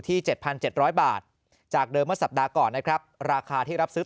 ๗๗๐๐บาทจากเดิมเมื่อสัปดาห์ก่อนนะครับราคาที่รับซื้อ